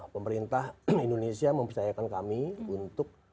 pemerintah indonesia mempercayakan kami untuk